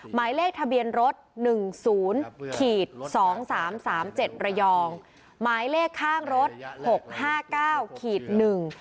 หมายเลขทะเบียนรถหนึ่งศูนย์ขีดสองสามสามเจ็ดระยองหมายเลขข้างรถหกห้าเก้าขีดหนึ่ง